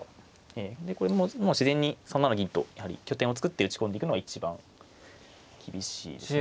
でこれもう自然に３七銀とやはり拠点を作って打ち込んでいくのが一番厳しいですね。